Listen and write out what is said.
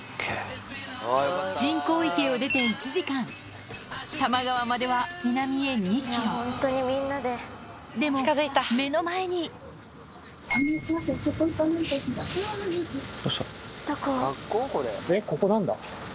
人工池を出て１時間多摩川までは南へ２ｋｍでも目の前にどうした？